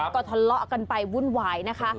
ก็ทะเลาะกันไปวุ่นวายนะคะ